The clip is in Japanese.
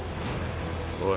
おい